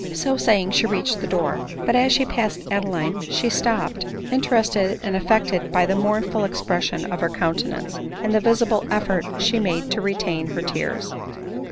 So saying she reached the door ; but as she passed Adeline she stopped, interested and affected by the mournful expres sion of her countenance, and the visible effort she made to retain her tears.